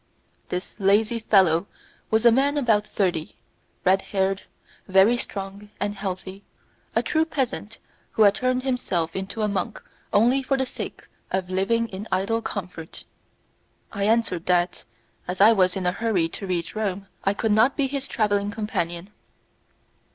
This lazy fellow was a man about thirty, red haired, very strong and healthy; a true peasant who had turned himself into a monk only for the sake of living in idle comfort. I answered that, as I was in a hurry to reach Rome, I could not be his travelling companion.